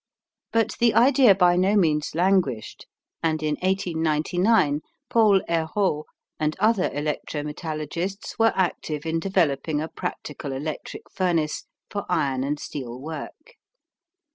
But the idea by no means languished, and in 1899 Paul Heroult and other electro metallurgists were active in developing a practical electric furnace for iron and steel work.